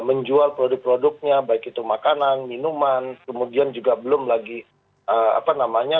menjual produk produknya baik itu makanan minuman kemudian juga belum lagi apa namanya